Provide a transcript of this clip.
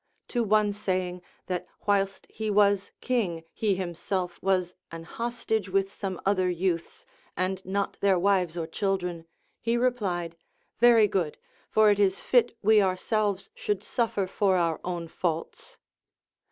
To one saying that whilst he was king he himself was an hostage with some other youths, and not their wives or children, he replied, Very good, for it is fit we ourselves should suffer for our own faults.